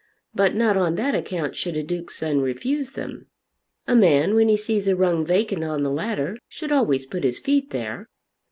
But not on that account should a Duke's son refuse them. A man when he sees a rung vacant on the ladder should always put his feet there."